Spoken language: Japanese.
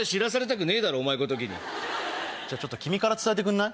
じゃあ君から伝えてくんない？